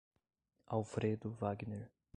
Alfredo Wagner